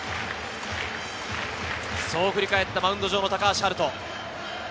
そう振り返ったマウンド上の高橋遥人。